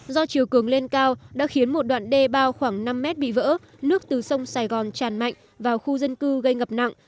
do chiều cường lên cao đã khiến một đoạn đê bao khoảng năm mét bị vỡ nước từ sông sài gòn tràn mạnh vào khu dân cư gây ngập nặng